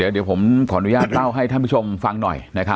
เดี๋ยวผมขออนุญาตเล่าให้ท่านผู้ชมฟังหน่อย